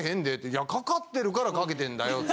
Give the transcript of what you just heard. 「いやかかってるからかけてんだよ」